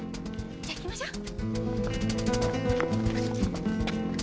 じゃあ行きましょう。